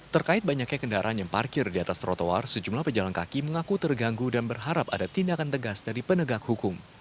terkait banyaknya kendaraan yang parkir di atas trotoar sejumlah pejalan kaki mengaku terganggu dan berharap ada tindakan tegas dari penegak hukum